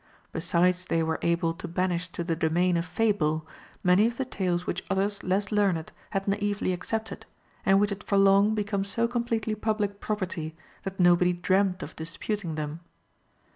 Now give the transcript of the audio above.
Besides they were able to banish to the domain of fable, many of the tales which others less learned had naïvely accepted, and which had for long become so completely public property that nobody dreamed of disputing them.